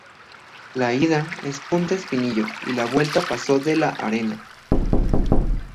La ida es Punta Espinillo y la vuelta Paso de la Arena.